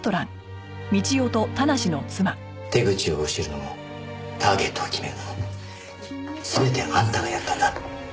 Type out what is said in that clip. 手口を教えるのもターゲットを決めるのも全てあんたがやったんだ。